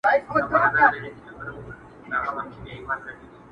سمدستي د خپل کهاله پر لور روان سو؛